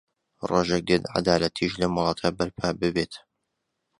ڕۆژێک دێت عەدالەتیش لەم وڵاتە بەرپا ببێت.